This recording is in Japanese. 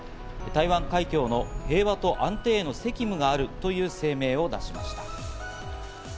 台湾海峡の平和と安定への責務があるという声明を出しました。